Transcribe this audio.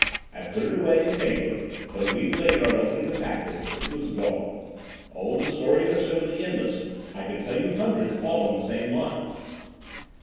I put it away in paper, but a week later, on opening the package—it was gone! Oh, the stories are simply endless. I could tell you hundreds all on the same lines."